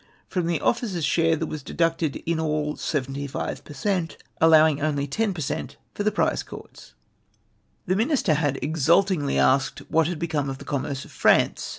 From the officers' share there was deducted in all 75 per cent, allowing only 10 per cent for the prize courts. " The Minister had exultingly asked, what had become of the commerce of France